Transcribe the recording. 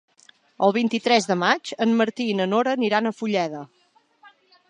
El vint-i-tres de maig en Martí i na Nora aniran a Fulleda.